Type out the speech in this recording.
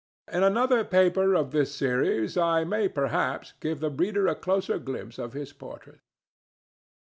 In another paper of this series I may perhaps give the reader a closer glimpse of his portrait.